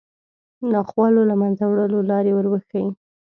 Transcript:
ناخوالو له منځه وړلو لارې وروښيي